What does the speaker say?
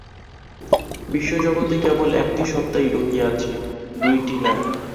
বিশ্বজগতে কেবল একটি সত্তাই রহিয়াছে, দুইটি নাই।